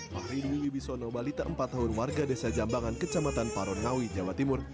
pak ridwi wibisono balita empat tahun warga desa jambangan kecamatan parungawi jawa timur